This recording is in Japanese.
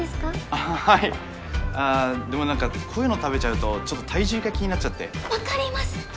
ああはいでも何かこういうの食べちゃうとちょっと体重が気になっちゃって分かります！